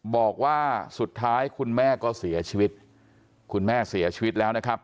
บอกว่าสุดท้ายคุณแม่ก็เสียชีวิตคุณแม่เสียชีวิตแล้วนะครับ